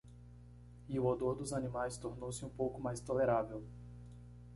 E o odor dos animais tornou-se um pouco mais tolerável.